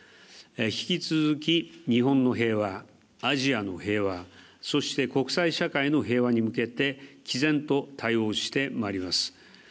引き続き日本の平和、アジアの平和、そして、国際社会の平和に向けて毅然と対応してまいります。